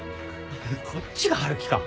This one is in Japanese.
こっちが春樹か。